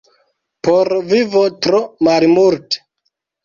Por vivo tro malmulte.